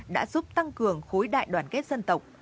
đã giúp tăng cường khối đại đoàn kết dân tộc